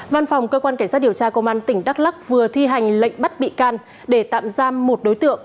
văn phòng cơ quan cảnh sát điều tra công an tỉnh đắk lắc vừa thi hành lệnh bắt bị can để tạm giam một đối tượng